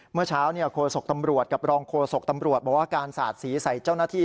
เมื่อเช้าโคศกตำรวจกับรองโฆษกตำรวจบอกว่าการสาดสีใส่เจ้าหน้าที่